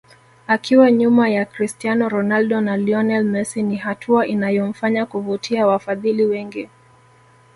Akiwa nyuma ya Cristiano Ronaldo na Lionel Messi ni hatua inayomfanya kuvutia wafadhili wengi